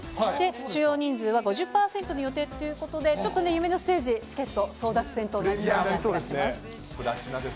収容人数は５０％の予定ということで、ちょっとね、夢のステージ、チケット争奪戦となりそうな気がします。